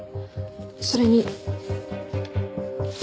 それに。